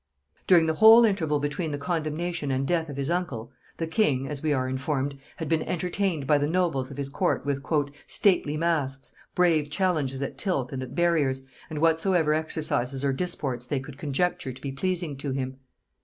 During the whole interval between the condemnation and death of his uncle, the king, as we are informed, had been entertained by the nobles of his court with "stately masques, brave challenges at tilt and at barriers, and whatsoever exercises or disports they could conjecture to be pleasing to him.